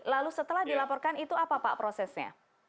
lalu setelah dilaporkan itu apa pak prosesnya